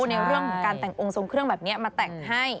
ในเรื่องของการแต่งองค์ทรงเครื่องแบบนี้มาแต่งให้